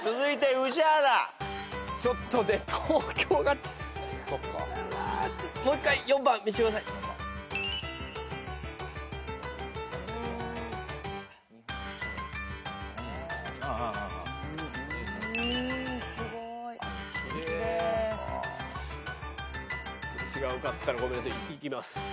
いきます。